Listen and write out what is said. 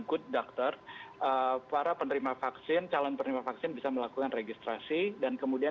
good doctor para penerima vaksin calon penerima vaksin bisa melakukan registrasi dan kemudian